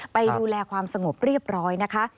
ไปดูแลความสงบเรียบร้อยนะคะ